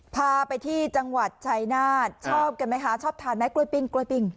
พาไปที่จังหวัดชัยนาธชอบกันไหมคะชอบทานไหมกล้วยปิ้งกล้วยปิ้ง